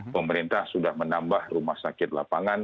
pemerintah sudah menambah rumah sakit lapangan